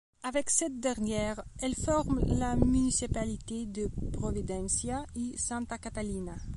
Avec cette dernière, elle forme la municipalité de Providencia y Santa Catalina.